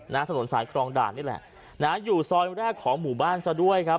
ถนนสายครองด่านนี่แหละนะฮะอยู่ซอยแรกของหมู่บ้านซะด้วยครับ